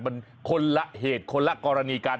มันคนละเหตุคนละกรณีกัน